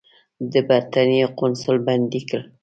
د برېټانیا قونسل بندي کړ.